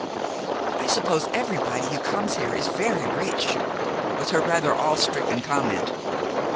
"I suppose everybody who comes here is very rich," was her rather awe stricken comment.